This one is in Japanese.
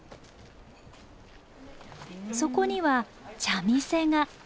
そこには茶店が。